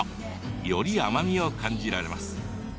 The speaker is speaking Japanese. より甘みを感じられます。